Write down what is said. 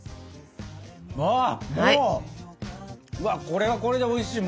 これはこれでおいしい！